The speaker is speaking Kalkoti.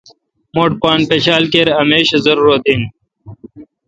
مٹھ پان پشال اے°کیر اہ میش۔ اے ضرورت این۔